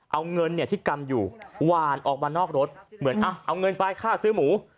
เอาเงินที่กำอยู่หวานออกมานอกรถเหมือนเอาเงินไปค่าซื้อหมู